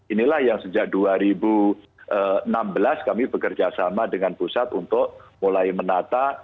inilah yang sejak dua ribu enam belas kami bekerja sama dengan pusat untuk mulai menata